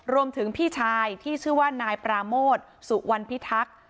พี่ชายที่ชื่อว่านายปราโมทสุวรรณพิทักษ์